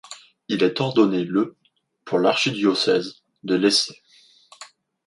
Il est ordonné le pour l'archidiocèse de Lecce.